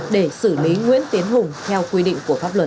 để xử lý nguyễn tiến hùng theo quy định của pháp luật